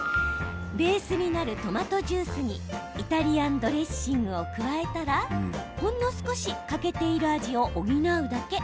ベースになるトマトジュースにイタリアンドレッシングを加えたら、ほんの少し欠けている味を補うだけ。